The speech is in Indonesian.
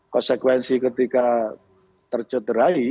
konsekuensi ketika tercederai